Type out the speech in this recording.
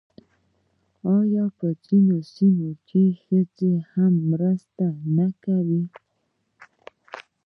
آیا په ځینو سیمو کې ښځې هم مرسته نه کوي؟